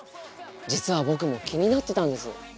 実は僕も気になってたんです。